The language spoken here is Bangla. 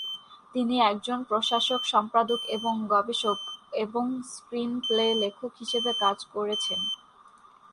তিনি একজন প্রশাসক, সম্পাদক, এবং গবেষক এবং স্ক্রিন প্লে লেখক হিসেবে কাজ করেছেন।